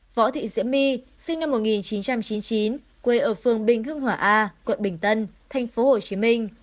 võ thị diễm my sinh năm một nghìn chín trăm chín mươi chín quê ở phường bình hương hỏa a quận bình tân tp hcm